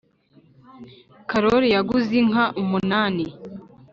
karori yaguze inka umunani